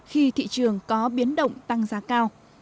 khi thị trường có biến động tăng giá cao